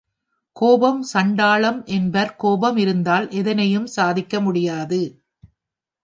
கோபம் சண்டாளம் என்பர் கோபம் இருந்தால் எதனையும் சாதிக்க முடியாது.